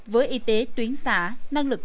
với y tế tuyến xã năng lực cắn